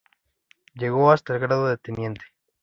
Llegó hasta el grado de teniente.